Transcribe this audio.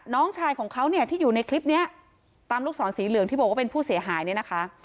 น้องชายของเขาเนี่ยที่อยู่ในคลิปเนี้ยตามลูกศรสีเหลืองที่บอกว่าเป็นผู้เสียหายเนี่ยนะคะ